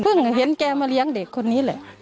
เห็นแกมาเลี้ยงเด็กคนนี้แหละ